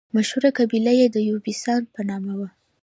مشهوره قبیله یې د یبوسان په نامه وه.